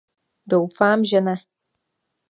Doufám, že ne!